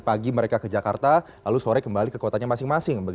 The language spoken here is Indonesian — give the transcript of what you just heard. pagi mereka ke jakarta lalu sore kembali ke kotanya masing masing